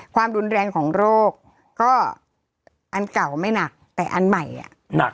ความรุนแรงของโรคก็อันเก่าไม่หนักแต่อันใหม่อ่ะหนัก